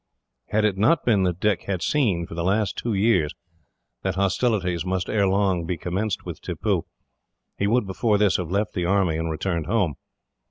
Had it not been that Dick had seen, for the last two years, that hostilities must ere long be commenced with Tippoo; he would, before this, have left the army and returned home.